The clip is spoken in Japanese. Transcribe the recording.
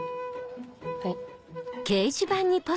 はい。